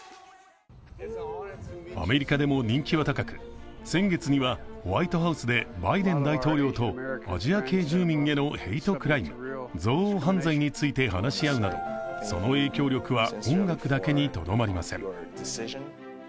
アメリカでも人気は高く、先月にはホワイトハウスでバイデン大統領とアジア系住民へのヘイトクライム＝憎悪犯罪について話し合うなど、その影響力は音楽だけにとどまりません。